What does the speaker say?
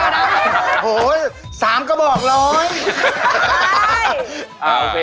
โอ้โฮสามก็บอกหรือย